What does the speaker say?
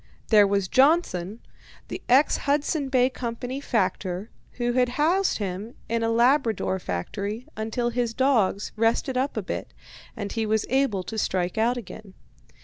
There was Johnson, the ex Hudson Bay Company factor, who had housed him in a Labrador factory until his dogs rested up a bit, and he was able to strike out again.